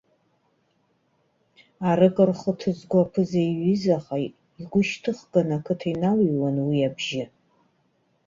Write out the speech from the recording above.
Арк рхы ҭызго аԥыза иҩызаха, игәышьҭыхганы ақыҭа иналыҩуан уи абжьы.